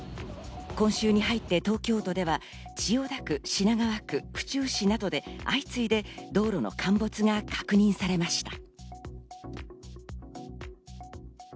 今週に入って東京都では千代田区、品川区、府中市などで相次いで道路の陥没が確認されました。